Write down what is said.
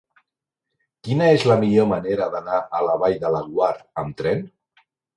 Quina és la millor manera d'anar a la Vall de Laguar amb tren?